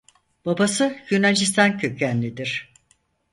Babası Yunanistan kökenlidir.